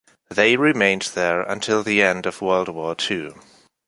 They remained there until the end of World War II.